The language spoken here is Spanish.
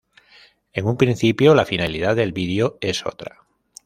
En un principio la finalidad del video es otra.